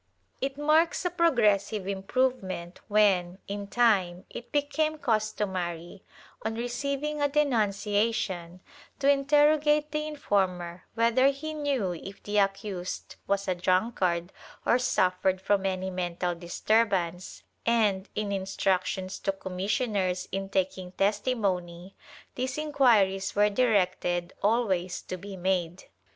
It marks a progressive improvement when, in time, it became customary, on receiving a denunciation, to interrogate the informer whether he knew if the accused was a drunkard or suffered from any mental disturbance and, in instructions to commissioners in taking testimony, these inquiries were directed always to be made.